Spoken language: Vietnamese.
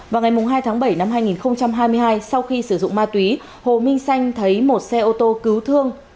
vào ngày hai tháng bảy năm hai nghìn hai mươi hai sau khi sử dụng ma túy hồ minh xanh thấy một xe ô tô cứu thương